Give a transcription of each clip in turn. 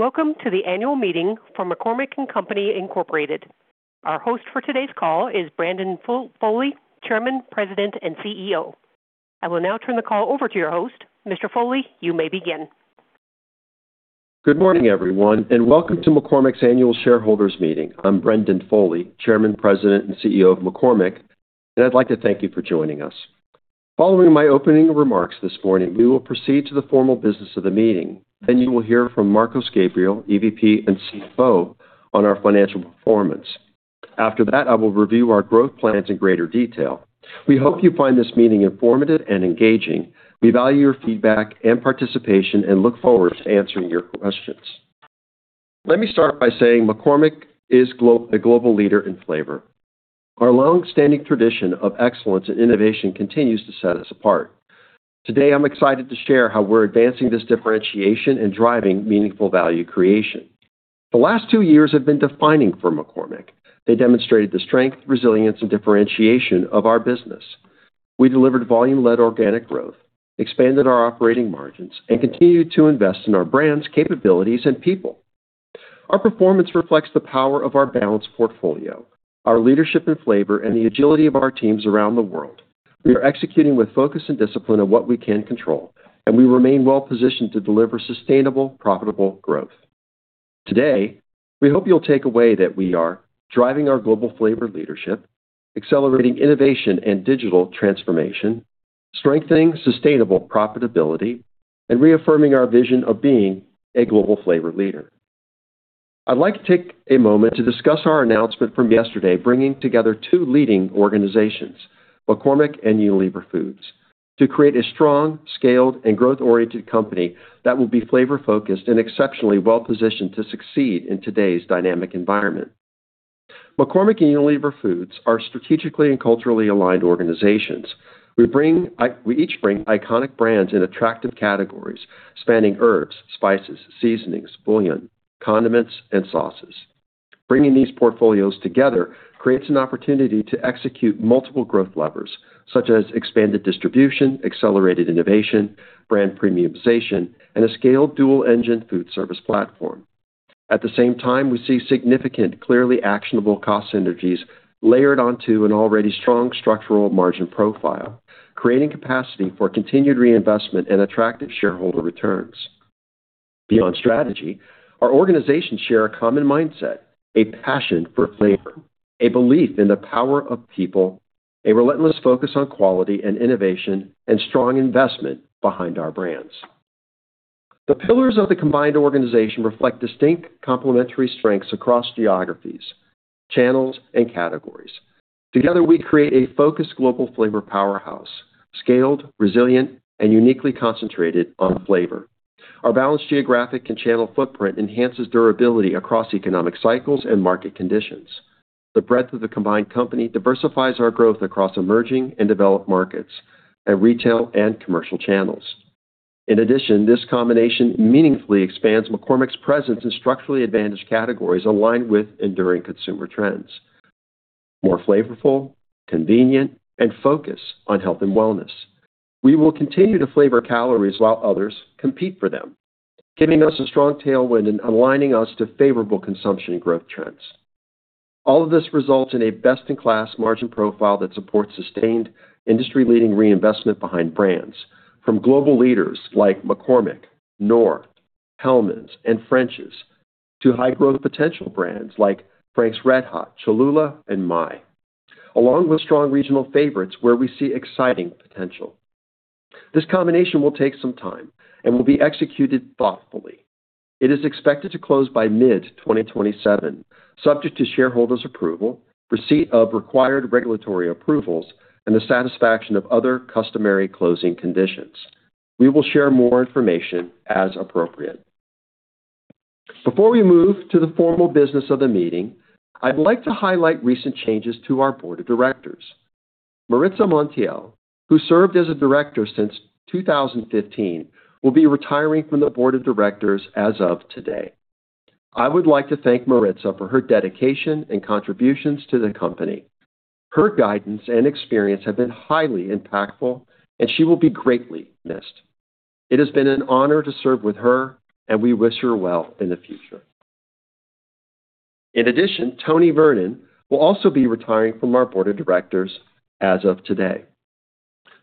Welcome to the annual meeting for McCormick & Company, Incorporated. Our host for today's call is Brendan Foley, Chairman, President, and CEO. I will now turn the call over to your host. Mr. Foley, you may begin. Good morning, everyone, and welcome to McCormick's Annual Shareholders' Meeting. I'm Brendan Foley, Chairman, President, and CEO of McCormick, and I'd like to thank you for joining us. Following my opening remarks this morning, we will proceed to the formal business of the meeting. Then you will hear from Marcos Gabriel, EVP and CFO, on our financial performance. After that, I will review our growth plans in greater detail. We hope you find this meeting informative and engaging. We value your feedback and participation and look forward to answering your questions. Let me start by saying McCormick is a global leader in flavor. Our long-standing tradition of excellence and innovation continues to set us apart. Today, I'm excited to share how we're advancing this differentiation and driving meaningful value creation. The last two years have been defining for McCormick. They demonstrated the strength, resilience, and differentiation of our business. We delivered volume-led organic growth, expanded our operating margins, and continued to invest in our brands, capabilities, and people. Our performance reflects the power of our balanced portfolio, our leadership in flavor, and the agility of our teams around the world. We are executing with focus and discipline on what we can control, and we remain well-positioned to deliver sustainable, profitable growth. Today, we hope you'll take away that we are driving our global flavor leadership, accelerating innovation and digital transformation, strengthening sustainable profitability, and reaffirming our vision of being a global flavor leader. I'd like to take a moment to discuss our announcement from yesterday, bringing together two leading organizations, McCormick and Unilever Foods, to create a strong, scaled, and growth-oriented company that will be flavor-focused and exceptionally well-positioned to succeed in today's dynamic environment. McCormick and Unilever Foods are strategically and culturally aligned organizations. We each bring iconic brands in attractive categories spanning herbs, spices, seasonings, bouillon, condiments, and sauces. Bringing these portfolios together creates an opportunity to execute multiple growth levers, such as expanded distribution, accelerated innovation, brand premiumization, and a scaled dual-engine food service platform. At the same time, we see significant, clearly actionable cost synergies layered onto an already strong structural margin profile, creating capacity for continued reinvestment and attractive shareholder returns. Beyond strategy, our organizations share a common mindset, a passion for flavor, a belief in the power of people, a relentless focus on quality and innovation, and strong investment behind our brands. The pillars of the combined organization reflect distinct complementary strengths across geographies, channels, and categories. Together, we create a focused global flavor powerhouse, scaled, resilient, and uniquely concentrated on flavor. Our balanced geographic and channel footprint enhances durability across economic cycles and market conditions. The breadth of the combined company diversifies our growth across emerging and developed markets and retail and commercial channels. In addition, this combination meaningfully expands McCormick's presence in structurally advantaged categories aligned with enduring consumer trends, more flavorful, convenient, and focused on health and wellness. We will continue to flavor calories while others compete for them, giving us a strong tailwind and aligning us to favorable consumption and growth trends. All of this results in a best-in-class margin profile that supports sustained industry-leading reinvestment behind brands from global leaders like McCormick, Knorr, Hellmann's, and French's to high-growth potential brands like Frank's RedHot, Cholula, and Maille, along with strong regional favorites where we see exciting potential. This combination will take some time and will be executed thoughtfully. It is expected to close by mid-2027, subject to shareholders' approval, receipt of required regulatory approvals, and the satisfaction of other customary closing conditions. We will share more information as appropriate. Before we move to the formal business of the meeting, I'd like to highlight recent changes to our board of directors. Maritza Montiel, who served as a director since 2015, will be retiring from the board of directors as of today. I would like to thank Maritza for her dedication and contributions to the company. Her guidance and experience have been highly impactful, and she will be greatly missed. It has been an honor to serve with her, and we wish her well in the future. In addition, Tony Vernon will also be retiring from our board of directors as of today.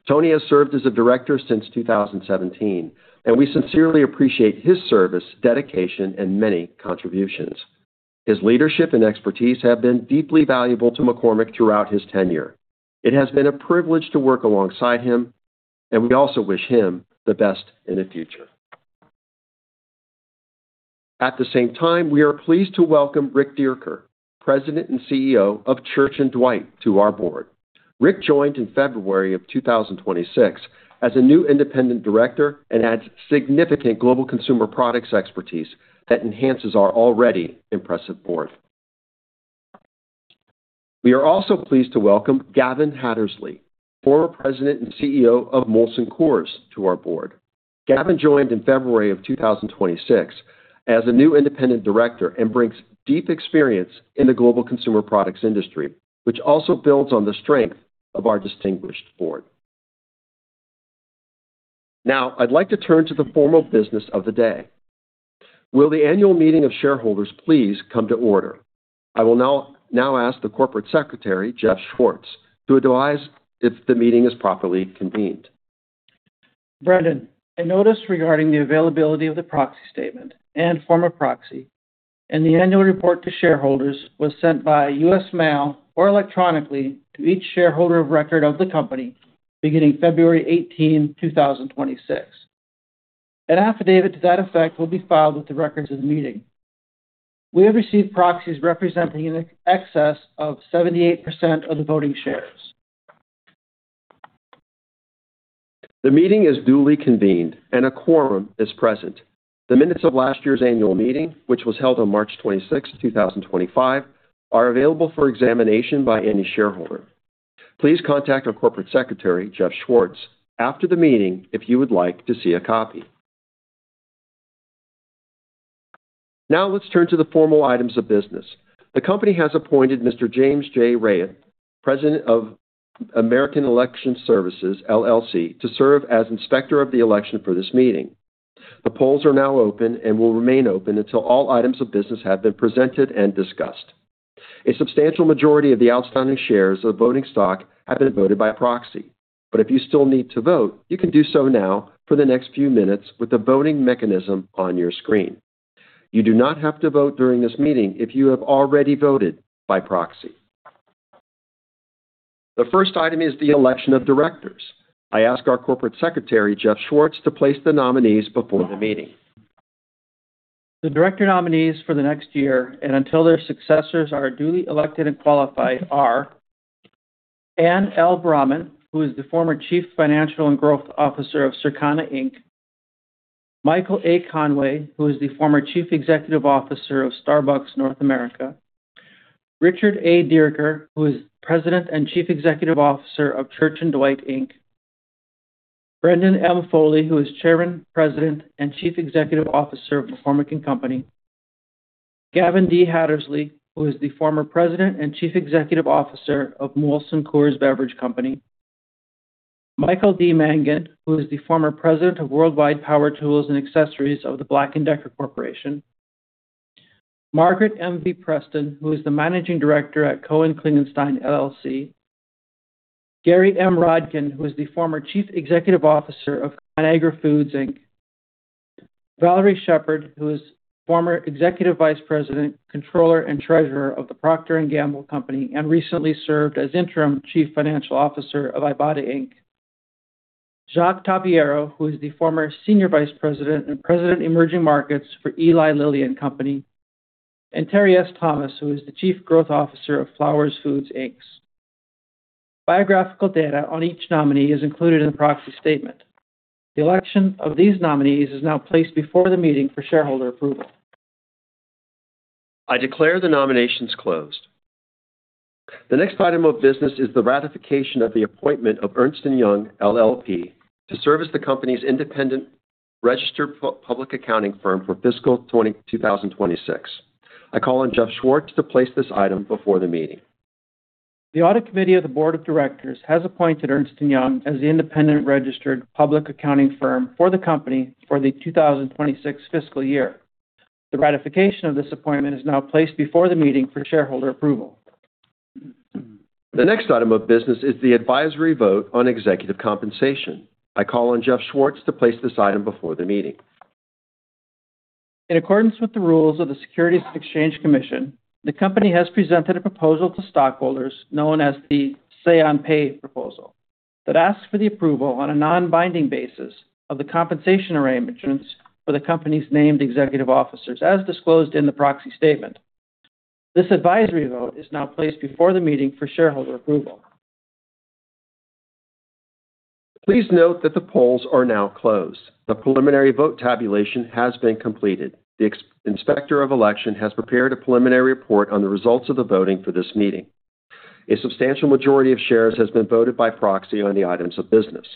Tony has served as a director since 2017, and we sincerely appreciate his service, dedication, and many contributions. His leadership and expertise have been deeply valuable to McCormick throughout his tenure. It has been a privilege to work alongside him, and we also wish him the best in the future. At the same time, we are pleased to welcome Rick Dierker, President and CEO of Church & Dwight, to our board. Rick joined in February of 2026 as a new independent director and adds significant global consumer products expertise that enhances our already impressive board. We are also pleased to welcome Gavin Hattersley, former President and CEO of Molson Coors, to our board. Gavin joined in February 2026 as a new independent director and brings deep experience in the global consumer products industry, which also builds on the strength of our distinguished board. Now I'd like to turn to the formal business of the day. Will the annual meeting of shareholders please come to order? I will now ask the Corporate Secretary, Jeff Schwartz, to advise if the meeting is properly convened. Brendan, a notice regarding the availability of the proxy statement and form of proxy and the annual report to shareholders was sent by U.S. mail or electronically to each shareholder of record of the company beginning February 18, 2026. An affidavit to that effect will be filed with the records of the meeting. We have received proxies representing an excess of 78% of the voting shares. The meeting is duly convened and a quorum is present. The minutes of last year's annual meeting, which was held on March 26, 2025, are available for examination by any shareholder. Please contact our Corporate Secretary, Jeff Schwartz, after the meeting if you would like to see a copy. Now let's turn to the formal items of business. The company has appointed Mr. James J. Raitt, President of American Election Services, LLC, to serve as Inspector of Election for this meeting. The polls are now open and will remain open until all items of business have been presented and discussed. A substantial majority of the outstanding shares of voting stock have been voted by proxy. If you still need to vote, you can do so now for the next few minutes with the voting mechanism on your screen. You do not have to vote during this meeting if you have already voted by proxy. The first item is the election of directors. I ask our Corporate Secretary, Jeff Schwartz, to place the nominees before the meeting. The director nominees for the next year and until their successors are duly elected and qualified are Anne L. Bramman, who is the former Chief Financial and Growth Officer of Circana Inc., Michael A. Conway, who is the former Chief Executive Officer of Starbucks North America, Richard A. Dierker, who is President and Chief Executive Officer of Church & Dwight, Inc., Brendan M. Foley, who is Chairman, President, and Chief Executive Officer of McCormick & Company, Gavin D. Hattersley, who is the former President and Chief Executive Officer of Molson Coors Beverage Company, Michael D. Mangan, who is the former President of Worldwide Power Tools and Accessories of The Black & Decker Corporation, Margaret M. V. Preston, who is the Managing Director at Cohen Klingenstein, LLC, Gary M. Rodkin, who is the former Chief Executive Officer of Conagra Foods Inc. Valarie Sheppard, who is former Executive Vice President, Controller, and Treasurer of The Procter & Gamble Company and recently served as interim Chief Financial Officer of Ibotta, Inc. Jacques Tapiero, who is the former Senior Vice President and President, Emerging Markets for Eli Lilly and Company. Terry S. Thomas, who is the Chief Growth Officer of Flowers Foods, Inc. Biographical data on each nominee is included in the proxy statement. The election of these nominees is now placed before the meeting for shareholder approval. I declare the nominations closed. The next item of business is the ratification of the appointment of Ernst & Young LLP to serve as the company's independent registered public accounting firm for fiscal 2026. I call on Jeff Schwartz to place this item before the meeting. The audit committee of the board of directors has appointed Ernst & Young as the independent registered public accounting firm for the company for the 2026 fiscal year. The ratification of this appointment is now placed before the meeting for shareholder approval. The next item of business is the advisory vote on executive compensation. I call on Jeff Schwartz to place this item before the meeting. In accordance with the rules of the Securities and Exchange Commission, the company has presented a proposal to stockholders known as the say-on-pay proposal, that asks for the approval on a non-binding basis of the compensation arrangements for the company's named executive officers as disclosed in the proxy statement. This advisory vote is now placed before the meeting for shareholder approval. Please note that the polls are now closed. The preliminary vote tabulation has been completed. The Inspector of Election has prepared a preliminary report on the results of the voting for this meeting. A substantial majority of shares has been voted by proxy on the items of business.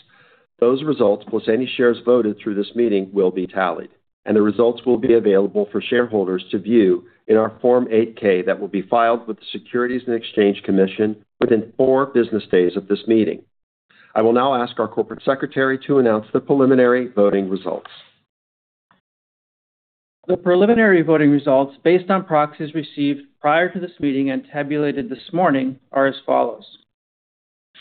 Those results, plus any shares voted through this meeting, will be tallied, and the results will be available for shareholders to view in our Form 8-K that will be filed with the Securities and Exchange Commission within four business days of this meeting. I will now ask our corporate secretary to announce the preliminary voting results. The preliminary voting results, based on proxies received prior to this meeting and tabulated this morning, are as follows.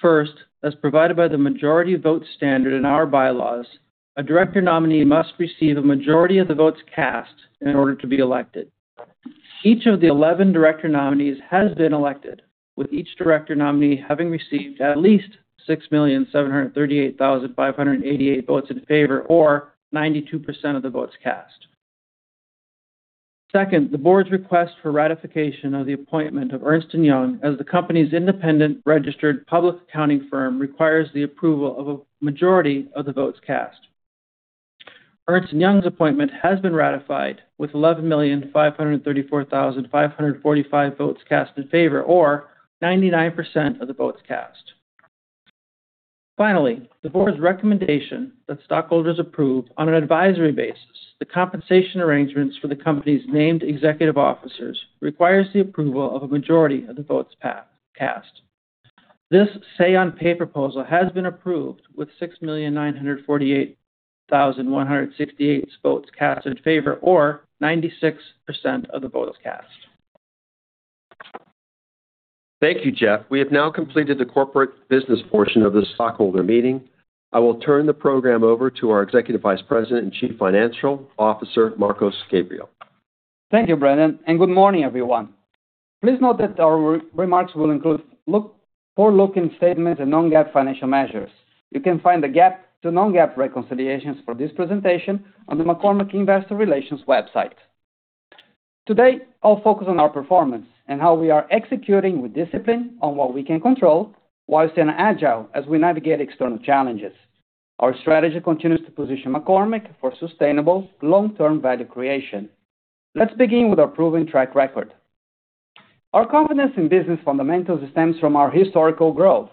First, as provided by the majority vote standard in our bylaws, a director nominee must receive a majority of the votes cast in order to be elected. Each of the 11 director nominees has been elected, with each director nominee having received at least 6,738,588 votes in favor or 92% of the votes cast. Second, the board's request for ratification of the appointment of Ernst & Young as the company's independent registered public accounting firm requires the approval of a majority of the votes cast. Ernst & Young's appointment has been ratified with 11,534,545 votes cast in favor or 99% of the votes cast. Finally, the board's recommendation that stockholders approve on an advisory basis. The compensation arrangements for the company's named executive officers requires the approval of a majority of the votes cast. This say-on-pay proposal has been approved with 6,948,168 votes cast in favor, or 96% of the votes cast. Thank you, Jeff. We have now completed the corporate business portion of the stockholder meeting. I will turn the program over to our Executive Vice President and Chief Financial Officer, Marcos Gabriel. Thank you, Brendan, and good morning, everyone. Please note that our remarks will include forward-looking statements and non-GAAP financial measures. You can find the GAAP to non-GAAP reconciliations for this presentation on the McCormick Investor Relations website. Today, I'll focus on our performance and how we are executing with discipline on what we can control while staying agile as we navigate external challenges. Our strategy continues to position McCormick for sustainable long-term value creation. Let's begin with our proven track record. Our confidence in business fundamentals stems from our historical growth.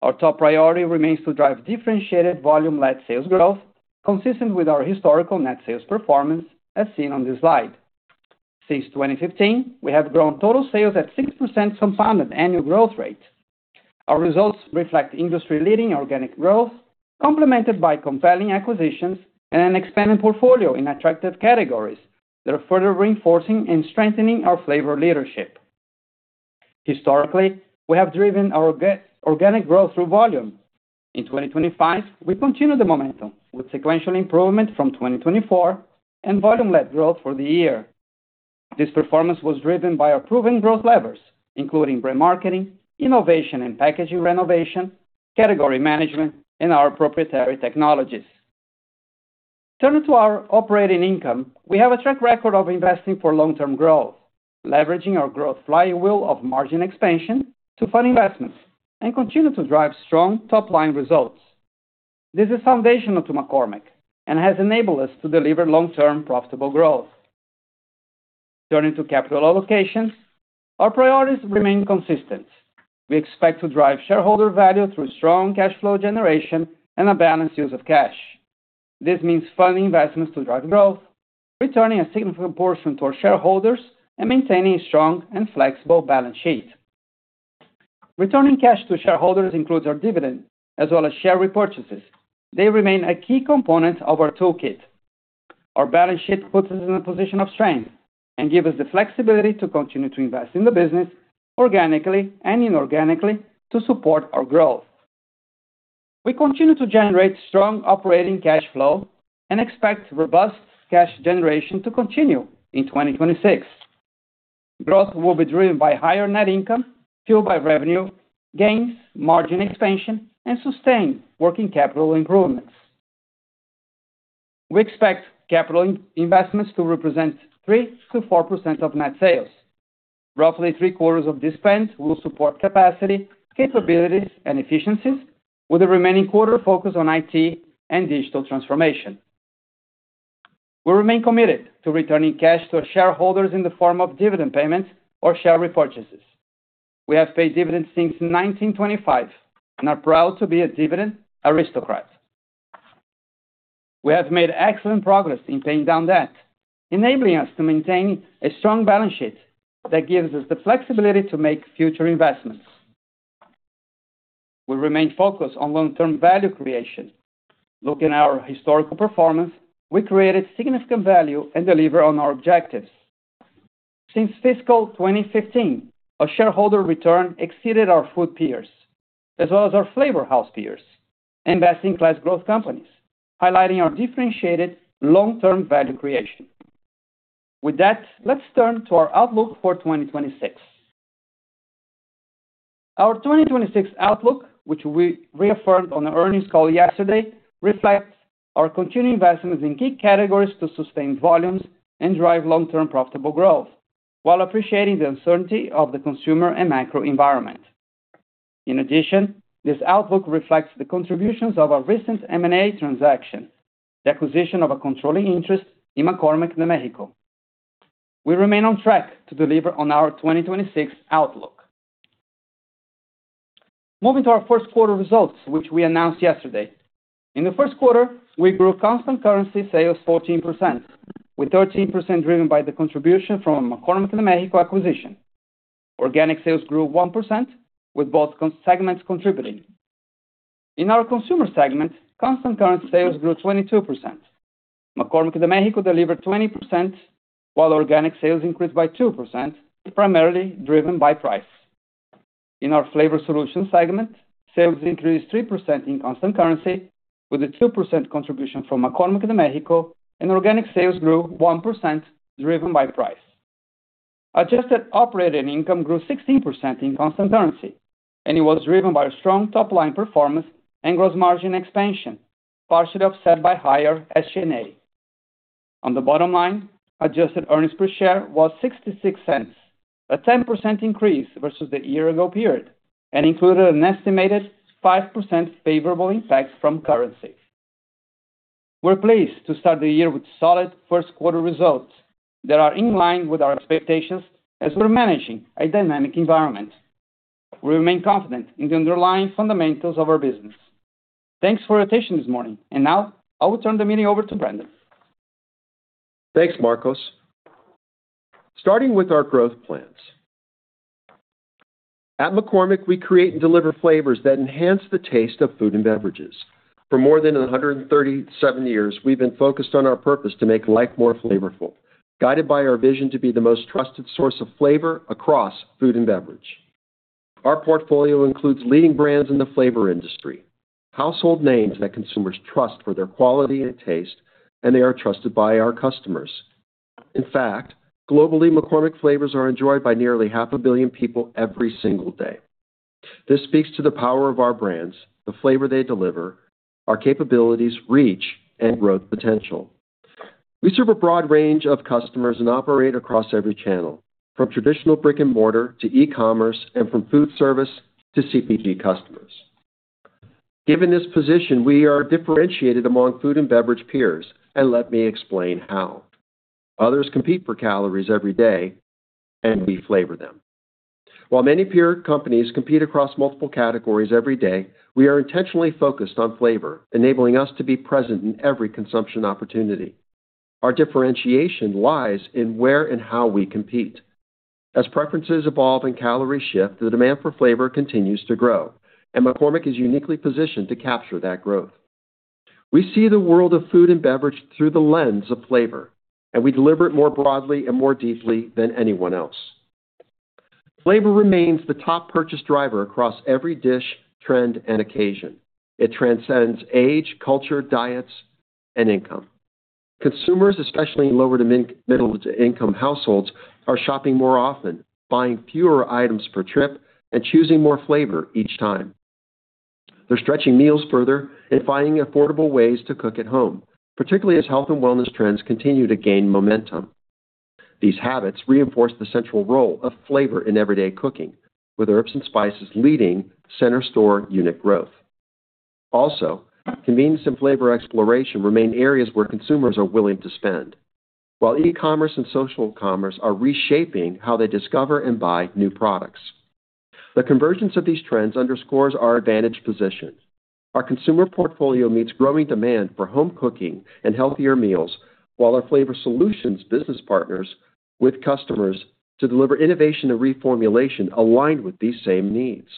Our top priority remains to drive differentiated volume-led sales growth consistent with our historical net sales performance, as seen on this slide. Since 2015, we have grown total sales at 6% compounded annual growth rate. Our results reflect industry-leading organic growth, complemented by compelling acquisitions and an expanding portfolio in attractive categories that are further reinforcing and strengthening our flavor leadership. Historically, we have driven our organic growth through volume. In 2025, we continued the momentum with sequential improvement from 2024 and volume-led growth for the year. This performance was driven by our proven growth levers, including brand marketing, innovation and packaging renovation, category management, and our proprietary technologies. Turning to our operating income, we have a track record of investing for long-term growth, leveraging our growth flywheel of margin expansion to fund investments and continue to drive strong top-line results. This is foundational to McCormick and has enabled us to deliver long-term profitable growth. Turning to capital allocations, our priorities remain consistent. We expect to drive shareholder value through strong cash flow generation and a balanced use of cash. This means funding investments to drive growth, returning a significant portion to our shareholders, and maintaining strong and flexible balance sheet. Returning cash to shareholders includes our dividend as well as share repurchases. They remain a key component of our toolkit. Our balance sheet puts us in a position of strength and give us the flexibility to continue to invest in the business organically and inorganically to support our growth. We continue to generate strong operating cash flow and expect robust cash generation to continue in 2026. Growth will be driven by higher net income, fueled by revenue gains, margin expansion, and sustained working capital improvements. We expect capital investments to represent 3%-4% of net sales. Roughly three quarters of this spend will support capacity, capabilities, and efficiencies, with the remaining quarter focused on IT and digital transformation. We remain committed to returning cash to our shareholders in the form of dividend payments or share repurchases. We have paid dividends since 1925 and are proud to be a Dividend Aristocrat. We have made excellent progress in paying down debt, enabling us to maintain a strong balance sheet that gives us the flexibility to make future investments. We remain focused on long-term value creation. Looking at our historical performance, we created significant value and deliver on our objectives. Since fiscal 2015, our shareholder return exceeded our food peers as well as our flavor house peers, investment class growth companies, highlighting our differentiated long-term value creation. With that, let's turn to our outlook for 2026. Our 2026 outlook, which we reaffirmed on the earnings call yesterday, reflects our continued investments in key categories to sustain volumes and drive long-term profitable growth while appreciating the uncertainty of the consumer and macro environment. In addition, this outlook reflects the contributions of our recent M&A transaction, the acquisition of a controlling interest in McCormick de México. We remain on track to deliver on our 2026 outlook. Moving to our first quarter results, which we announced yesterday. In the first quarter, we grew constant currency sales 14%, with 13% driven by the contribution from McCormick de México acquisition. Organic sales grew 1%, with both segments contributing. In our consumer segment, constant currency sales grew 22%. McCormick de México delivered 20%, while organic sales increased by 2%, primarily driven by price. In our Flavor Solutions segment, sales increased 3% in constant currency with a 2% contribution from McCormick de México and organic sales grew 1% driven by price. Adjusted operating income grew 16% in constant currency, and it was driven by a strong top-line performance and gross margin expansion, partially offset by higher SG&A. On the bottom line, adjusted earnings per share was $0.66, a 10% increase versus the year ago period and included an estimated 5% favorable impact from currency. We're pleased to start the year with solid first quarter results that are in line with our expectations as we're managing a dynamic environment. We remain confident in the underlying fundamentals of our business. Thanks for your attention this morning. Now I will turn the meeting over to Brendan. Thanks, Marcos. Starting with our growth plans. At McCormick, we create and deliver flavors that enhance the taste of food and beverages. For more than 137 years, we've been focused on our purpose to make life more flavorful, guided by our vision to be the most trusted source of flavor across food and beverage. Our portfolio includes leading brands in the flavor industry, household names that consumers trust for their quality and taste, and they are trusted by our customers. In fact, globally, McCormick flavors are enjoyed by nearly 500 million people every single day. This speaks to the power of our brands, the flavor they deliver, our capabilities, reach, and growth potential. We serve a broad range of customers and operate across every channel, from traditional brick-and-mortar to e-commerce and from food service to CPG customers. Given this position, we are differentiated among food and beverage peers, and let me explain how. Others compete for calories every day, and we flavor them. While many peer companies compete across multiple categories every day, we are intentionally focused on flavor, enabling us to be present in every consumption opportunity. Our differentiation lies in where and how we compete. As preferences evolve and calories shift, the demand for flavor continues to grow, and McCormick is uniquely positioned to capture that growth. We see the world of food and beverage through the lens of flavor, and we deliver it more broadly and more deeply than anyone else. Flavor remains the top purchase driver across every dish, trend, and occasion. It transcends age, culture, diets, and income. Consumers, especially in lower- to middle-income households, are shopping more often, buying fewer items per trip, and choosing more flavor each time. They're stretching meals further and finding affordable ways to cook at home, particularly as health and wellness trends continue to gain momentum. These habits reinforce the central role of flavor in everyday cooking, with herbs and spices leading center store unit growth. Also, convenience and flavor exploration remain areas where consumers are willing to spend, while e-commerce and social commerce are reshaping how they discover and buy new products. The convergence of these trends underscores our advantaged position. Our consumer portfolio meets growing demand for home cooking and healthier meals, while our flavor solutions business partners with customers to deliver innovation and reformulation aligned with these same needs.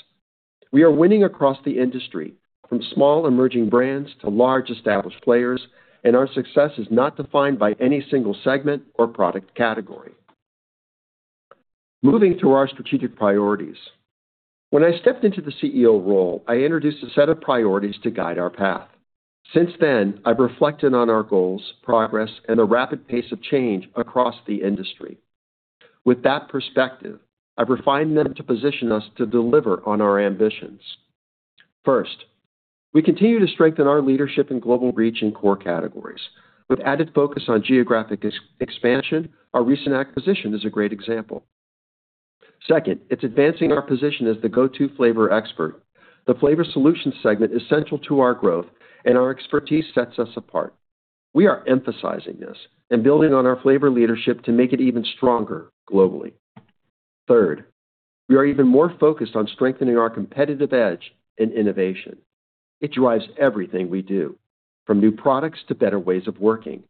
We are winning across the industry, from small emerging brands to large established players, and our success is not defined by any single segment or product category. Moving to our strategic priorities. When I stepped into the CEO role, I introduced a set of priorities to guide our path. Since then, I've reflected on our goals, progress, and the rapid pace of change across the industry. With that perspective, I've refined them to position us to deliver on our ambitions. First, we continue to strengthen our leadership in global reach and core categories. With added focus on geographic expansion, our recent acquisition is a great example. Second, it's advancing our position as the go-to flavor expert. The flavor solutions segment is central to our growth, and our expertise sets us apart. We are emphasizing this and building on our flavor leadership to make it even stronger globally. Third, we are even more focused on strengthening our competitive edge in innovation. It drives everything we do, from new products to better ways of working.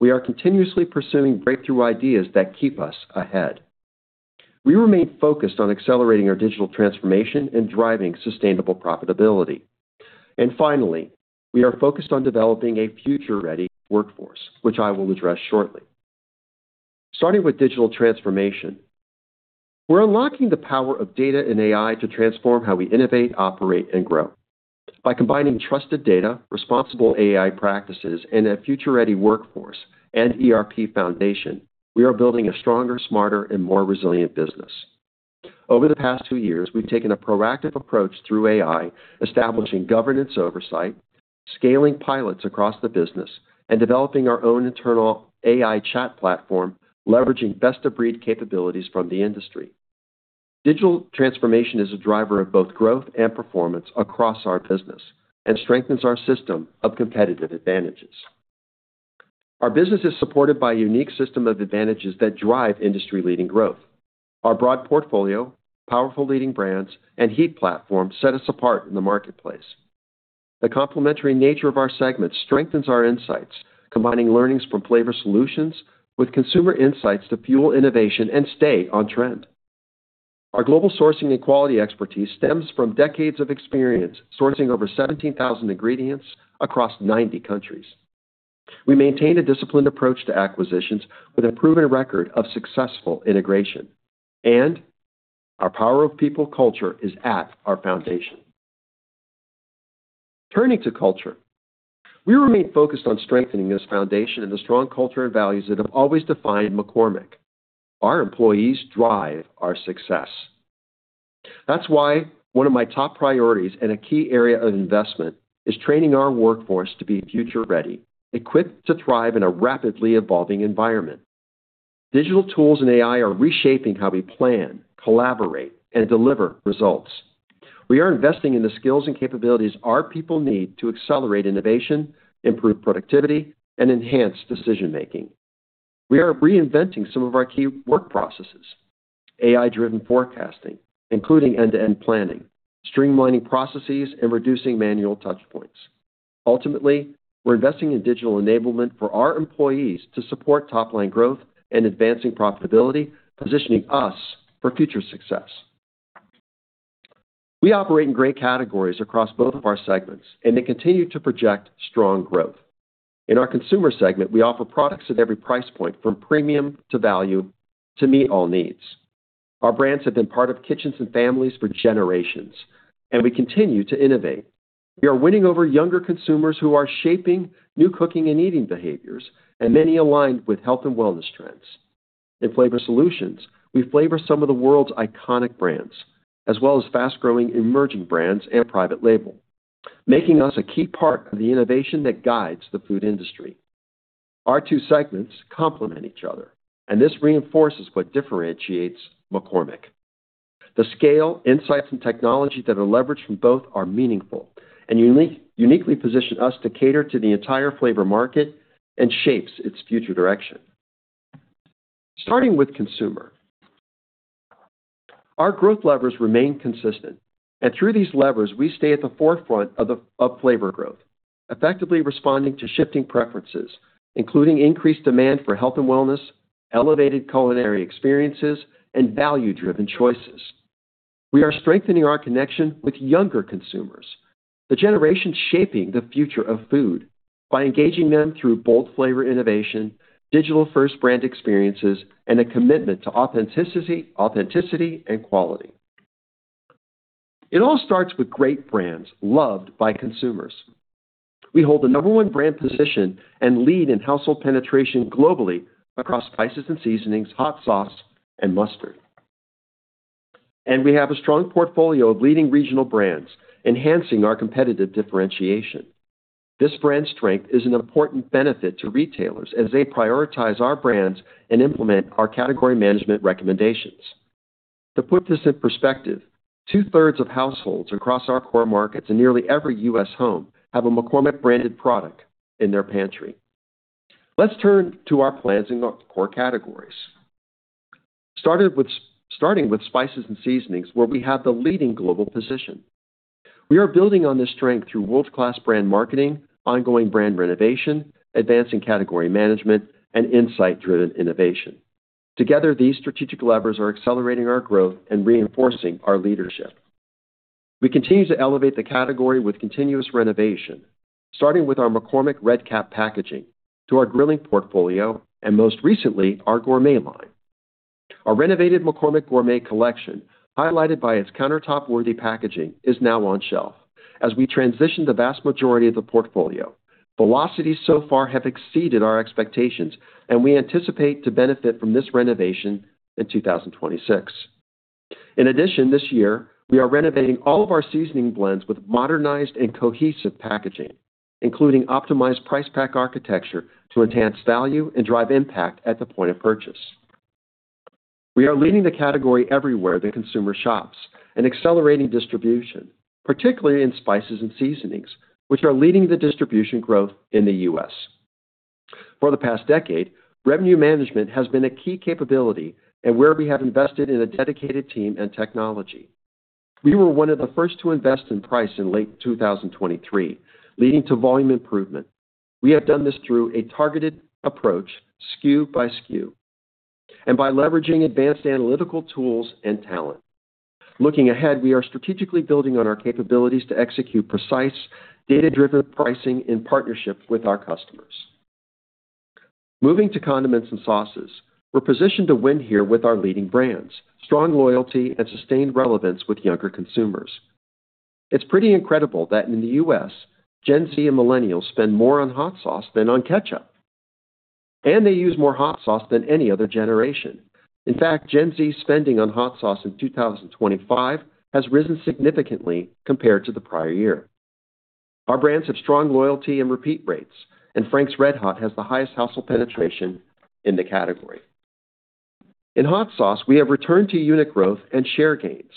We are continuously pursuing breakthrough ideas that keep us ahead. We remain focused on accelerating our digital transformation and driving sustainable profitability. Finally, we are focused on developing a future-ready workforce, which I will address shortly. Starting with digital transformation, we're unlocking the power of data and AI to transform how we innovate, operate, and grow. By combining trusted data, responsible AI practices, and a future-ready workforce and ERP foundation, we are building a stronger, smarter, and more resilient business. Over the past two years, we've taken a proactive approach through AI, establishing governance oversight, scaling pilots across the business, and developing our own internal AI chat platform, leveraging best-of-breed capabilities from the industry. Digital transformation is a driver of both growth and performance across our business and strengthens our system of competitive advantages. Our business is supported by a unique system of advantages that drive industry-leading growth. Our broad portfolio, powerful leading brands, and heat platform set us apart in the marketplace. The complementary nature of our segments strengthens our insights, combining learnings from flavor solutions with consumer insights to fuel innovation and stay on trend. Our global sourcing and quality expertise stems from decades of experience sourcing over 17,000 ingredients across 90 countries. We maintain a disciplined approach to acquisitions with a proven record of successful integration. Our Power of People culture is at our foundation. Turning to culture, we remain focused on strengthening this foundation and the strong culture and values that have always defined McCormick. Our employees drive our success. That's why one of my top priorities and a key area of investment is training our workforce to be future-ready, equipped to thrive in a rapidly evolving environment. Digital tools and AI are reshaping how we plan, collaborate, and deliver results. We are investing in the skills and capabilities our people need to accelerate innovation, improve productivity, and enhance decision-making. We are reinventing some of our key work processes, AI-driven forecasting, including end-to-end planning, streamlining processes, and reducing manual touch points. Ultimately, we're investing in digital enablement for our employees to support top-line growth and advancing profitability, positioning us for future success. We operate in great categories across both of our segments, and they continue to project strong growth. In our consumer segment, we offer products at every price point from premium to value to meet all needs. Our brands have been part of kitchens and families for generations, and we continue to innovate. We are winning over younger consumers who are shaping new cooking and eating behaviors, and many aligned with health and wellness trends. In Flavor Solutions, we flavor some of the world's iconic brands, as well as fast-growing emerging brands and private label, making us a key part of the innovation that guides the food industry. Our two segments complement each other, and this reinforces what differentiates McCormick. The scale, insights, and technology that are leveraged from both are meaningful and unique, uniquely position us to cater to the entire flavor market and shapes its future direction. Starting with Consumer. Our growth levers remain consistent, and through these levers, we stay at the forefront of flavor growth, effectively responding to shifting preferences, including increased demand for health and wellness, elevated culinary experiences, and value-driven choices. We are strengthening our connection with younger consumers, the generation shaping the future of food by engaging them through bold flavor innovation, digital-first brand experiences, and a commitment to authenticity and quality. It all starts with great brands loved by consumers. We hold the number one brand position and lead in household penetration globally across spices and seasonings, hot sauce, and mustard. We have a strong portfolio of leading regional brands, enhancing our competitive differentiation. This brand strength is an important benefit to retailers as they prioritize our brands and implement our category management recommendations. To put this in perspective, two-thirds of households across our core markets in nearly every U.S. home have a McCormick-branded product in their pantry. Let's turn to our plans in our core categories. Starting with spices and seasonings, where we have the leading global position. We are building on this strength through world-class brand marketing, ongoing brand renovation, advancing category management, and insight-driven innovation. Together, these strategic levers are accelerating our growth and reinforcing our leadership. We continue to elevate the category with continuous renovation, starting with our McCormick red cap packaging to our grilling portfolio, and most recently, our gourmet line. Our renovated McCormick Gourmet Collection, highlighted by its countertop-worthy packaging, is now on shelf. As we transition the vast majority of the portfolio, velocities so far have exceeded our expectations, and we anticipate to benefit from this renovation in 2026. In addition, this year, we are renovating all of our seasoning blends with modernized and cohesive packaging, including optimized price pack architecture to enhance value and drive impact at the point of purchase. We are leading the category everywhere the consumer shops and accelerating distribution, particularly in spices and seasonings, which are leading the distribution growth in the U.S. For the past decade, revenue management has been a key capability and where we have invested in a dedicated team and technology. We were one of the first to invest in price in late 2023, leading to volume improvement. We have done this through a targeted approach, SKU by SKU, and by leveraging advanced analytical tools and talent. Looking ahead, we are strategically building on our capabilities to execute precise data-driven pricing in partnership with our customers. Moving to condiments and sauces, we're positioned to win here with our leading brands, strong loyalty, and sustained relevance with younger consumers. It's pretty incredible that in the U.S., Gen Z and millennials spend more on hot sauce than on ketchup, and they use more hot sauce than any other generation. In fact, Gen Z spending on hot sauce in 2025 has risen significantly compared to the prior year. Our brands have strong loyalty and repeat rates, and Frank's RedHot has the highest household penetration in the category. In hot sauce, we have returned to unit growth and share gains,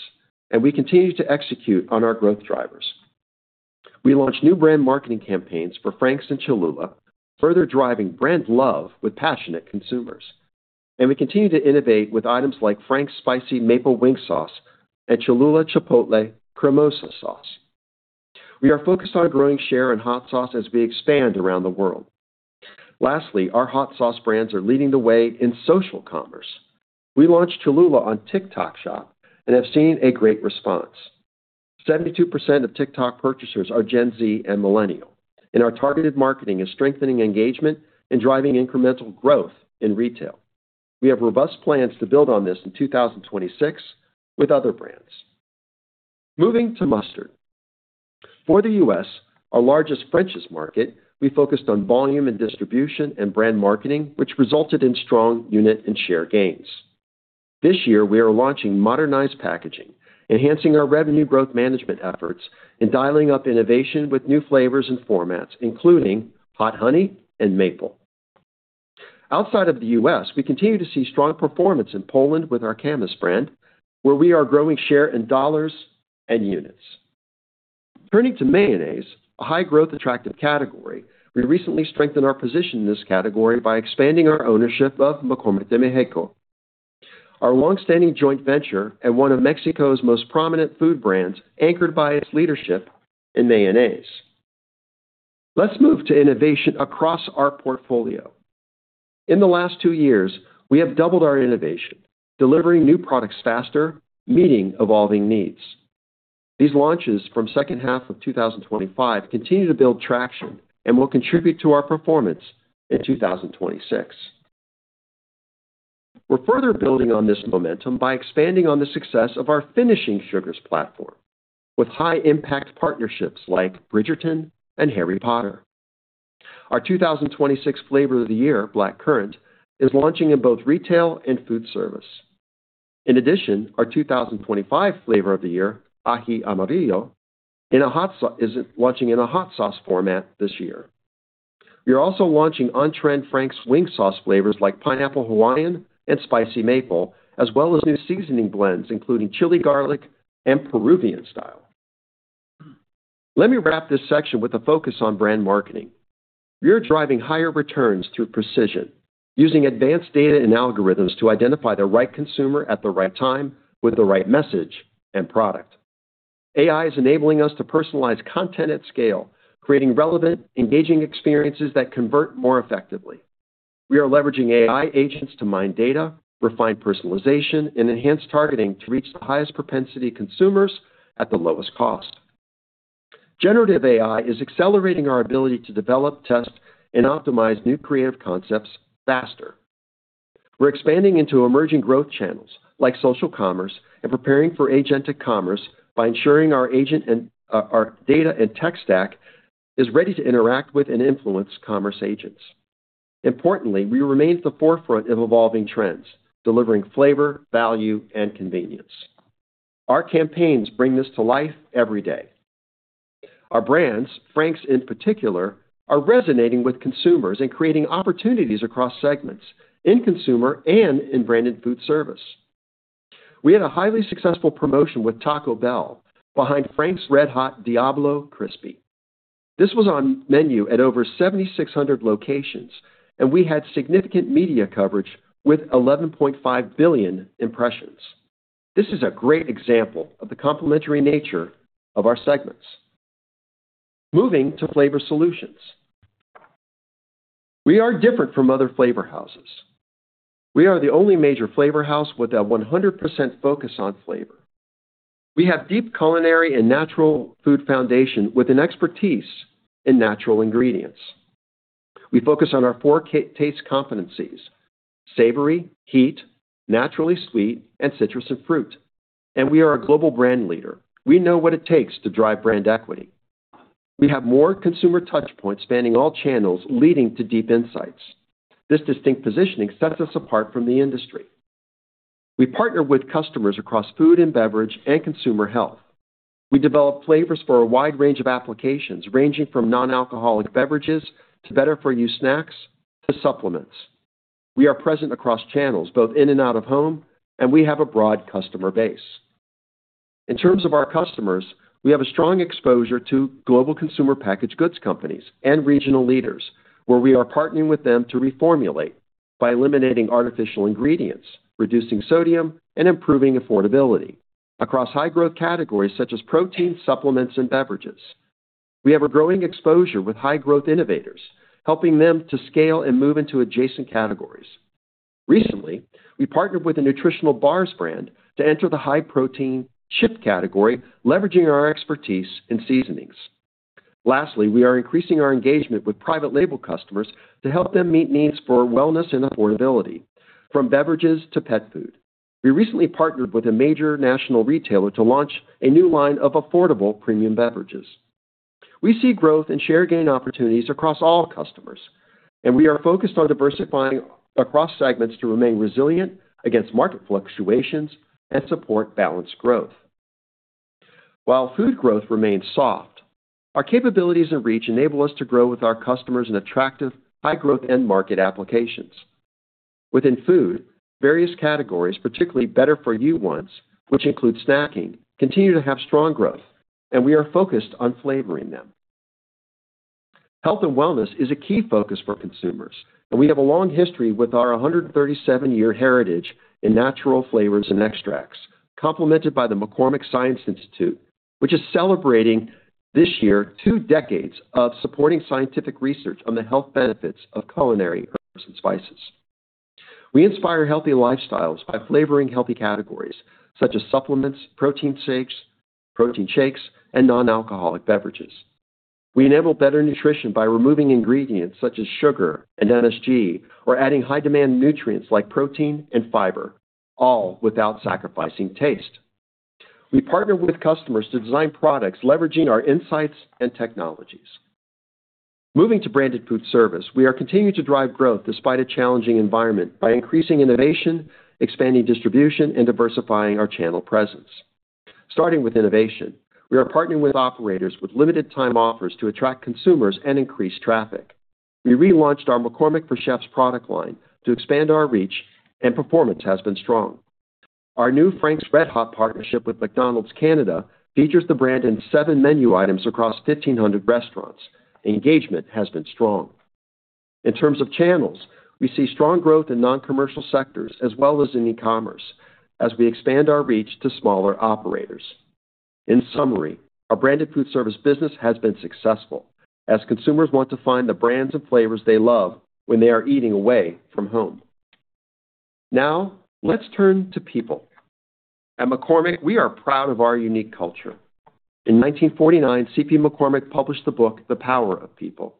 and we continue to execute on our growth drivers. We launched new brand marketing campaigns for Frank's and Cholula, further driving brand love with passionate consumers. We continue to innovate with items like Frank's Spicy Maple Wing Sauce and Cholula Chipotle Cremosa Sauce. We are focused on growing share in hot sauce as we expand around the world. Lastly, our hot sauce brands are leading the way in social commerce. We launched Cholula on TikTok Shop and have seen a great response. 72% of TikTok purchasers are Gen Z and millennials, and our targeted marketing is strengthening engagement and driving incremental growth in retail. We have robust plans to build on this in 2026 with other brands. Moving to mustard. For the U.S., our largest French's market, we focused on volume and distribution and brand marketing, which resulted in strong unit and share gains. This year, we are launching modernized packaging, enhancing our revenue growth management efforts, and dialing up innovation with new flavors and formats, including hot honey and maple. Outside of the U.S., we continue to see strong performance in Poland with our Kamis brand, where we are growing share in dollars and units. Turning to mayonnaise, a high growth attractive category, we recently strengthened our position in this category by expanding our ownership of McCormick de México, our long-standing joint venture and one of Mexico's most prominent food brands, anchored by its leadership in mayonnaise. Let's move to innovation across our portfolio. In the last two years, we have doubled our innovation, delivering new products faster, meeting evolving needs. These launches from second half of 2025 continue to build traction and will contribute to our performance in 2026. We're further building on this momentum by expanding on the success of our Finishing Sugars platform with high impact partnerships like Bridgerton and Harry Potter. Our 2026 Flavor of the Year, Black Currant, is launching in both retail and food service. In addition, our 2025 Flavor of the Year, Aji Amarillo, is launching in a hot sauce format this year. We are also launching on-trend Frank's wing sauce flavors like pineapple Hawaiian and spicy maple, as well as new seasoning blends, including chili garlic and Peruvian style. Let me wrap this section with a focus on brand marketing. We are driving higher returns through precision, using advanced data and algorithms to identify the right consumer at the right time with the right message and product. AI is enabling us to personalize content at scale, creating relevant, engaging experiences that convert more effectively. We are leveraging AI agents to mine data, refine personalization, and enhance targeting to reach the highest propensity consumers at the lowest cost. Generative AI is accelerating our ability to develop, test, and optimize new creative concepts faster. We're expanding into emerging growth channels like social commerce and preparing for agentic commerce by ensuring our agent and our data and tech stack is ready to interact with and influence commerce agents. Importantly, we remain at the forefront of evolving trends, delivering flavor, value, and convenience. Our campaigns bring this to life every day. Our brands, Frank's in particular, are resonating with consumers and creating opportunities across segments in consumer and in branded food service. We had a highly successful promotion with Taco Bell behind Frank's RedHot Diablo Crispy. This was on menu at over 7,600 locations, and we had significant media coverage with 11.5 billion impressions. This is a great example of the complementary nature of our segments. Moving to Flavor Solutions. We are different from other flavor houses. We are the only major flavor house with a 100% focus on flavor. We have deep culinary and natural food foundation with an expertise in natural ingredients. We focus on our four taste competencies, savory, heat, naturally sweet, and citrus and fruit. We are a global brand leader. We know what it takes to drive brand equity. We have more consumer touch points spanning all channels leading to deep insights. This distinct positioning sets us apart from the industry. We partner with customers across food and beverage and consumer health. We develop flavors for a wide range of applications, ranging from non-alcoholic beverages to better for you snacks to supplements. We are present across channels, both in and out of home, and we have a broad customer base. In terms of our customers, we have a strong exposure to global consumer packaged goods companies and regional leaders, where we are partnering with them to reformulate by eliminating artificial ingredients, reducing sodium, and improving affordability across high growth categories such as protein, supplements, and beverages. We have a growing exposure with high growth innovators, helping them to scale and move into adjacent categories. Recently, we partnered with a nutritional bars brand to enter the high protein chip category, leveraging our expertise in seasonings. Lastly, we are increasing our engagement with private label customers to help them meet needs for wellness and affordability, from beverages to pet food. We recently partnered with a major national retailer to launch a new line of affordable premium beverages. We see growth and share gain opportunities across all customers, and we are focused on diversifying across segments to remain resilient against market fluctuations and support balanced growth. While food growth remains soft, our capabilities and reach enable us to grow with our customers in attractive, high growth end market applications. Within food, various categories, particularly better for you ones, which include snacking, continue to have strong growth, and we are focused on flavoring them. Health and wellness is a key focus for consumers, and we have a long history with our 137 year heritage in natural flavors and extracts, complemented by the McCormick Science Institute, which is celebrating this year two decades of supporting scientific research on the health benefits of culinary herbs and spices. We inspire healthy lifestyles by flavoring healthy categories such as supplements, protein shakes, and non-alcoholic beverages. We enable better nutrition by removing ingredients such as sugar and MSG or adding high demand nutrients like protein and fiber, all without sacrificing taste. We partner with customers to design products leveraging our insights and technologies. Moving to branded food service, we are continuing to drive growth despite a challenging environment by increasing innovation, expanding distribution, and diversifying our channel presence. Starting with innovation, we are partnering with operators with limited time offers to attract consumers and increase traffic. We relaunched our McCormick for Chefs product line to expand our reach and performance has been strong. Our new Frank's RedHot partnership with McDonald's Canada features the brand in seven menu items across 1,500 restaurants. Engagement has been strong. In terms of channels, we see strong growth in non-commercial sectors as well as in e-commerce as we expand our reach to smaller operators. In summary, our branded food service business has been successful as consumers want to find the brands and flavors they love when they are eating away from home. Now, let's turn to people. At McCormick, we are proud of our unique culture. In 1949, C.P. McCormick published the book The Power of People.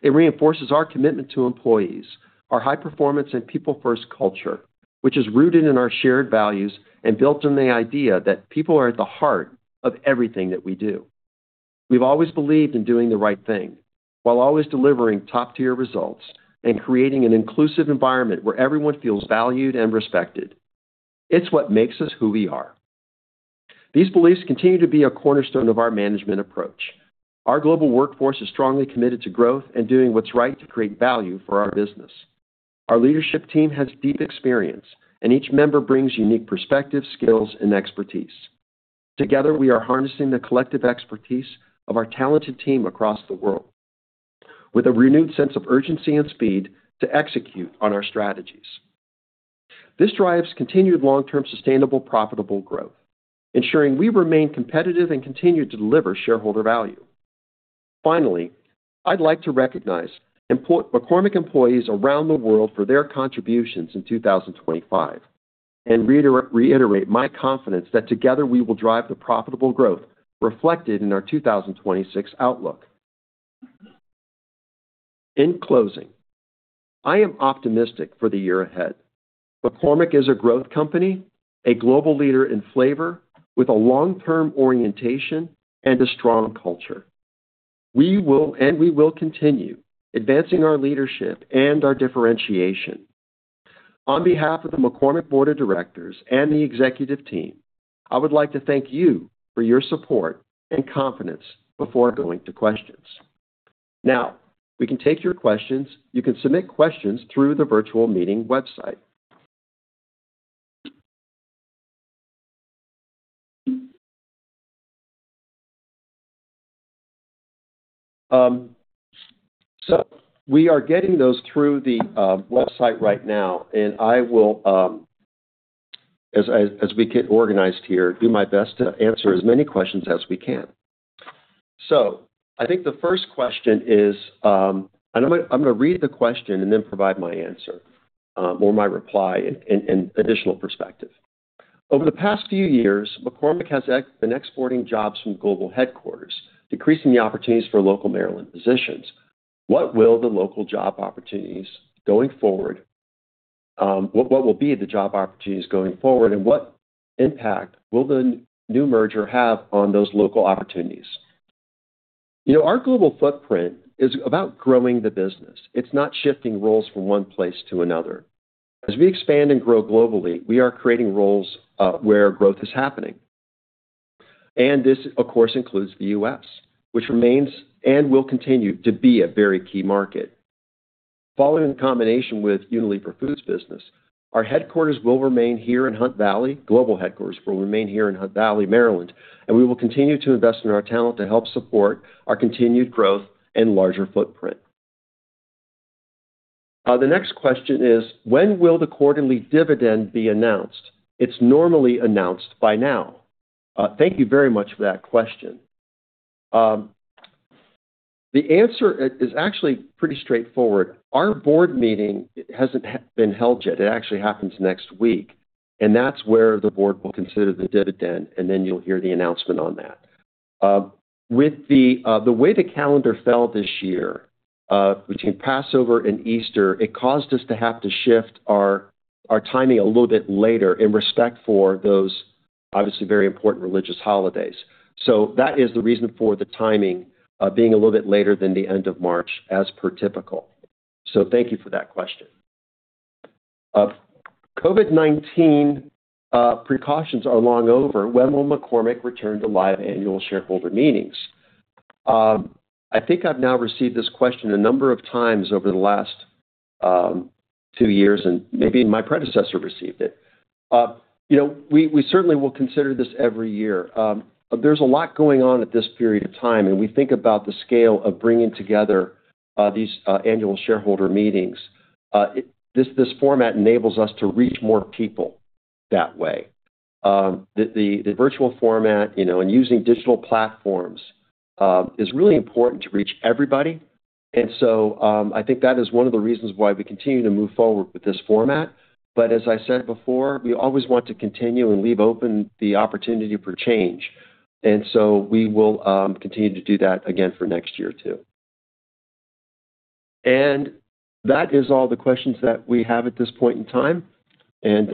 It reinforces our commitment to employees, our high performance and people-first culture, which is rooted in our shared values and built on the idea that people are at the heart of everything that we do. We've always believed in doing the right thing while always delivering top-tier results and creating an inclusive environment where everyone feels valued and respected. It's what makes us who we are. These beliefs continue to be a cornerstone of our management approach. Our global workforce is strongly committed to growth and doing what's right to create value for our business. Our leadership team has deep experience, and each member brings unique perspective, skills, and expertise. Together, we are harnessing the collective expertise of our talented team across the world with a renewed sense of urgency and speed to execute on our strategies. This drives continued long-term sustainable, profitable growth, ensuring we remain competitive and continue to deliver shareholder value. Finally, I'd like to recognize McCormick employees around the world for their contributions in 2025 and reiterate my confidence that together we will drive the profitable growth reflected in our 2026 outlook. In closing, I am optimistic for the year ahead. McCormick is a growth company, a global leader in flavor with a long-term orientation and a strong culture. We will continue advancing our leadership and our differentiation. On behalf of the McCormick Board of Directors and the executive team, I would like to thank you for your support and confidence before going to questions. Now we can take your questions. You can submit questions through the virtual meeting website. We are getting those through the website right now, and I will, as we get organized here, do my best to answer as many questions as we can. I think the first question is. I'm gonna read the question and then provide my answer, or my reply and additional perspective. Over the past few years, McCormick has been exporting jobs from global headquarters, decreasing the opportunities for local Maryland positions. What will the local job opportunities be going forward, and what impact will the new merger have on those local opportunities? You know, our global footprint is about growing the business. It's not shifting roles from one place to another. As we expand and grow globally, we are creating roles where growth is happening. This, of course, includes the U.S., which remains and will continue to be a very key market. Following the combination with Unilever Foods business, our headquarters will remain here in Hunt Valley, global headquarters will remain here in Hunt Valley, Maryland, and we will continue to invest in our talent to help support our continued growth and larger footprint. The next question is, when will the quarterly dividend be announced? It's normally announced by now. Thank you very much for that question. The answer is actually pretty straightforward. Our board meeting hasn't been held yet. It actually happens next week, and that's where the board will consider the dividend, and then you'll hear the announcement on that. With the way the calendar fell this year, between Passover and Easter, it caused us to have to shift our timing a little bit later in respect for those obviously very important religious holidays. That is the reason for the timing being a little bit later than the end of March as per typical. Thank you for that question. COVID-19 precautions are long over. When will McCormick return to live annual shareholder meetings? I think I've now received this question a number of times over the last two years, and maybe my predecessor received it. You know, we certainly will consider this every year. There's a lot going on at this period of time, and we think about the scale of bringing together these annual shareholder meetings. This format enables us to reach more people that way. The virtual format, you know, and using digital platforms, is really important to reach everybody. I think that is one of the reasons why we continue to move forward with this format. As I said before, we always want to continue and leave open the opportunity for change, and so we will continue to do that again for next year too. That is all the questions that we have at this point in time. One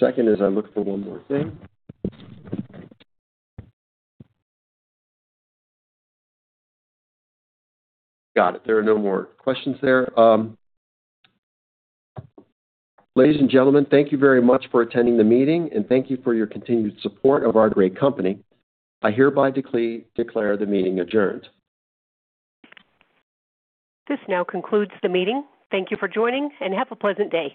second as I look for one more thing. Got it. There are no more questions there. Ladies and gentlemen, thank you very much for attending the meeting, and thank you for your continued support of our great company. I hereby declare the meeting adjourned. This now concludes the meeting. Thank you for joining, and have a pleasant day.